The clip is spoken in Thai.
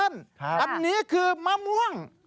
อันนี้คือมะม่วง